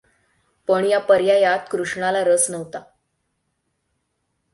पण या पर्यायात कृष्णाला रस नव्हता!